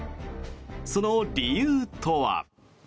その理由とは。